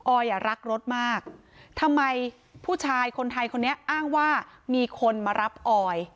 อ่ะรักรถมากทำไมผู้ชายคนไทยคนนี้อ้างว่ามีคนมารับออย